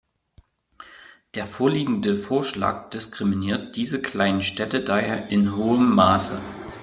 Der vorliegende Vorschlag diskriminiert diese kleinen Städte daher in hohem Maße.